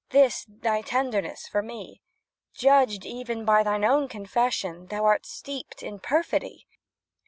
This, thy tenderness for me? Judged, even, by thine own confession, Thou art steeped in perfidy.